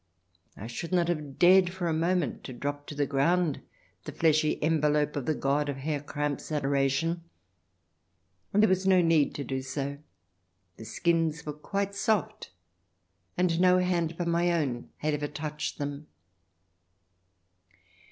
I should not have dared for a moment to drop to the ground the fleshy envelope of the god of Herr Kramp's adoration. And there was no need to do so. The skins were quite soft, and no hand but my own had ever touched them.